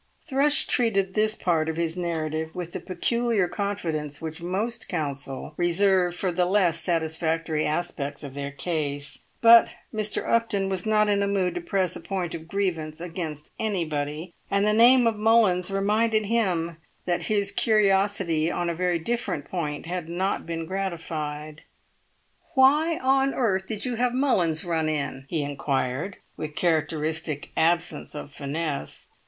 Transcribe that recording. Thrush treated this part of his narrative with the peculiar confidence which most counsel reserve for the less satisfactory aspects of their case. But Mr. Upton was not in a mood to press a point of grievance against anybody. And the name of Mullins reminded him that his curiosity on a very different point had not been gratified. "Why on earth did you have Mullins run in?" he inquired, with characteristic absence of finesse.